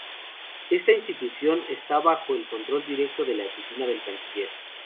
Esta institución está bajo el control directo de la Oficina del Canciller.